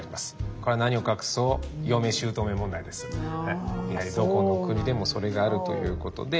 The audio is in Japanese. これは何を隠そうやはりどこの国でもそれがあるということで。